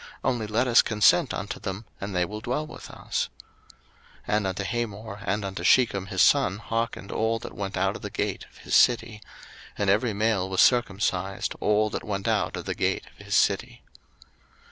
only let us consent unto them, and they will dwell with us. 01:034:024 And unto Hamor and unto Shechem his son hearkened all that went out of the gate of his city; and every male was circumcised, all that went out of the gate of his city.